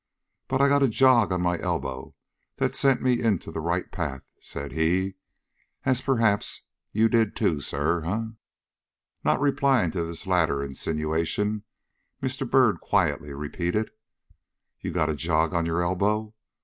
But I got a jog on my elbow that sent me into the right path," said he, "as, perhaps, you did too, sir, eh?" Not replying to this latter insinuation, Mr. Byrd quietly repeated: "You got a jog on your elbow?